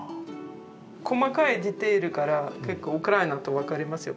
細かいディテールから結構ウクライナと分かりますよ。